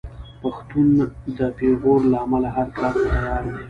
پښتون د پېغور له امله هر کار ته تیار دی.